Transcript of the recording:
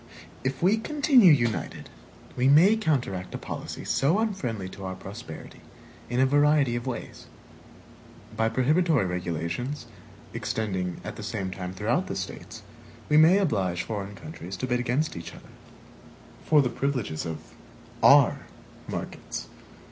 If we continue united, we may counteract a policy so unfriendly to our prosperity in a variety of ways. By prohibitory regulations, extending, at the same time, throughout the States, we may oblige foreign countries to bid against each other, for the privileges of our markets.